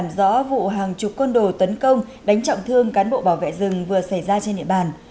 làm rõ vụ hàng chục con đồ tấn công đánh trọng thương cán bộ bảo vệ rừng vừa xảy ra trên địa bàn